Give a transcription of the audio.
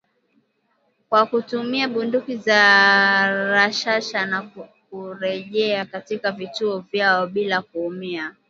kwa kutumia bunduki za rashasha na kurejea katika vituo vyao bila kuumia